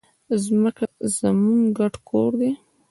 ځمکه زموږ ګډ کور دی.